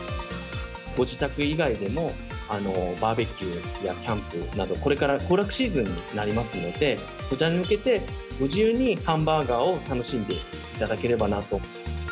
ご自宅以外でも、バーベキューやキャンプなど、これから行楽シーズンになりますので、こちらに向けて、ご自由にハンバーガーを楽しんでいただければなと。